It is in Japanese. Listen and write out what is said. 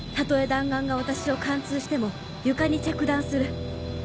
弾丸が私を貫通しても床に着弾する」。